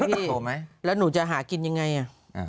ได้พี่แล้วหนูจะหากินยังไงอ่ะ